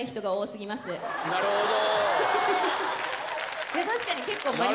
なるほど。